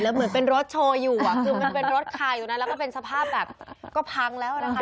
เหมือนเป็นรถโชว์อยู่อ่ะคือมันเป็นรถคาอยู่นะแล้วก็เป็นสภาพแบบก็พังแล้วนะคะ